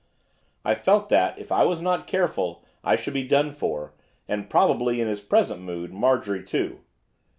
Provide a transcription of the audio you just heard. I felt that, if I was not careful, I should be done for, and, probably, in his present mood, Marjorie too.